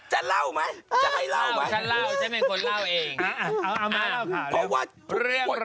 หย่าคุณพอร์ซ